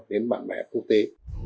đến bạn bè quốc tế